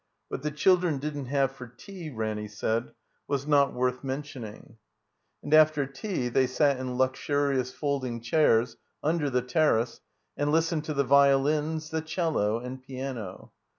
What the children didn't have for tea, Ranny said, was not worth mentioning. 320 THE COMBINED MAZE And after tea they sat in luxurious folding chairs under the terrace and listened to the violins, the cello, and piano.